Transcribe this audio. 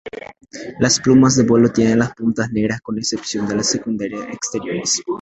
Las plumas de vuelo tienen las puntas negras con excepción de las secundarias exteriores.